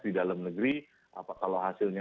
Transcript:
di dalam negeri kalau hasilnya